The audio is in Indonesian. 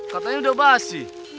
katanya udah basi